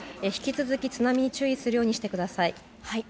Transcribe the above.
引き続き、津波に注意するようにしてください。